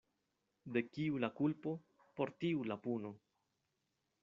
De kiu la kulpo, por tiu la puno.